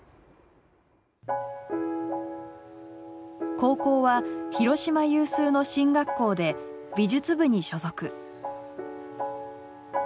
高校は広島有数の進学校で美術部に所属。